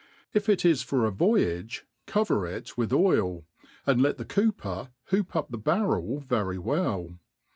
If it is for a vpyage, cpver it with oil, and let the cooper, hoop up the barrel very well.